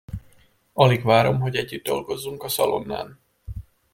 Alig várom, hogy együtt dolgozzunk a szalonnán.